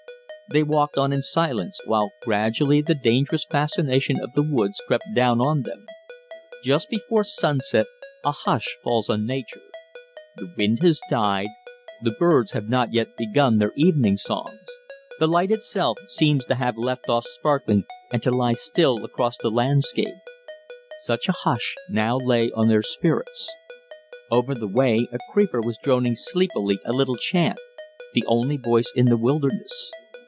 They walked on in silence, while gradually the dangerous fascination of the woods crept down on them. Just before sunset a hush falls on nature. The wind has died, the birds have not yet begun their evening songs, the light itself seems to have left off sparkling and to lie still across the landscape. Such a hush now lay on their spirits. Over the way a creeper was droning sleepily a little chant, the only voice in the wilderness.